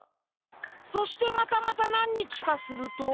そしてまたまた何日かすると。